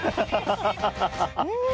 うん！